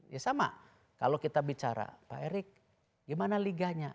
ya sama kalau kita bicara pak erick gimana liganya